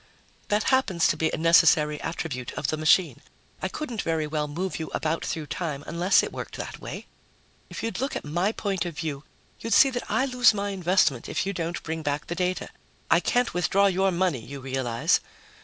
"That happens to be a necessary attribute of the machine. I couldn't very well move you about through time unless it worked that way. If you'd look at my point of view, you'd see that I lose my investment if you don't bring back the data. I can't withdraw your money, you realize."